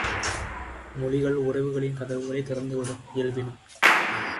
மொழிகள் உறவுகளின் கதவுகளைச் திறந்துவிடும் இயல்பின.